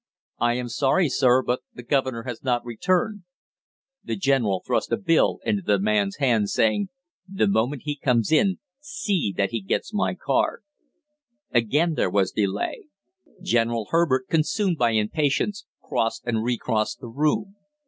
"I am sorry, sir, but the governor has not returned." The general thrust a bill into the man's hand, saying: "The moment he comes in, see that he gets my card." Again there was delay. General Herbert, consumed by impatience, crossed and recrossed the room.